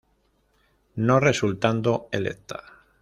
No resultando electa.